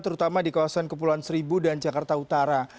terutama di kawasan kepulauan seribu dan jakarta utara